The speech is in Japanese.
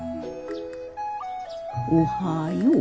おはよう。